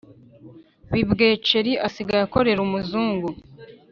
kibweceri asigaye akorera umuzungu